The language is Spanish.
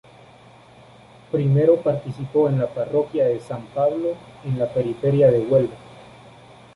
Primero participó en la Parroquia de San Pablo, en la periferia de Huelva.